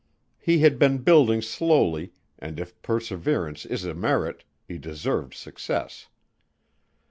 He had been building slowly, and if perseverance is a merit, he deserved success.